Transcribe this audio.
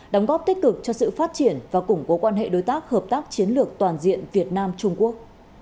đóng góp tích cực cho sự phát triển và củng cố quan hệ đối tác hợp tác chiến lược toàn diện việt nam trung quốc